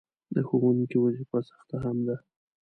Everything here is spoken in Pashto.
د ښوونکي وظیفه سخته هم ده.